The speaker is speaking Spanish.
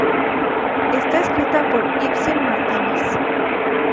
Está escrita por Ibsen Martínez.